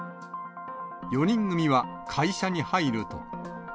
４人組は会社に入ると。